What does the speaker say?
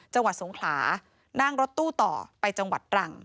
จังหวัดสงขลานั่งรถตู้ต่อไปจังหวัดตรัง